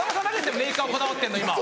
メーカーこだわってんの今。